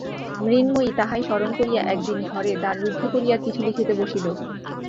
মৃন্ময়ী তাহাই স্মরণ করিয়া একদিন ঘরে দ্বার রুদ্ধ করিয়া চিঠি লিখিতে বসিল।